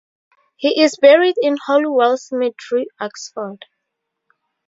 He is buried in Holywell Cemetery, Oxford.